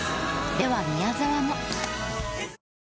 では宮沢も。